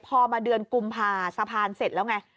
พอมาเดือนกุมภาสะพานเสร็จแล้วไง